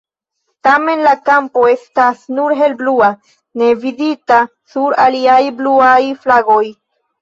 Tamen, la kampo estas nur helblua ne vidita sur aliaj bluaj flagoj.